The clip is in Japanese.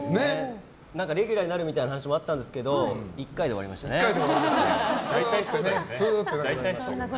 レギュラーになるみたいな話があったんですけどスーってなくなりました。